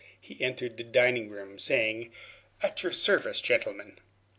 He entered the dining room saying, "At your service, gentlemen."